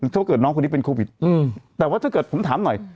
ถ้าเกิดน้องคนนี้เป็นโควิดแต่ว่าถ้าเกิดผมถามหน่อย